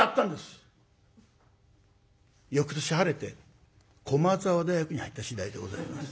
翌年晴れて駒澤大学に入った次第でございます。